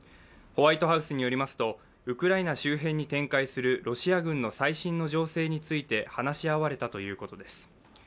ホワイトハウスによりますと、ウクライナ周辺に展開するロシア軍の最新の情勢について話し合われたということです。